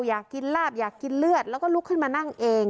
อยากกินลาบอยากกินเลือดแล้วก็ลุกขึ้นมานั่งเอง